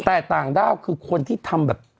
แต่ต่างด้าวคือคนที่ทำแบบ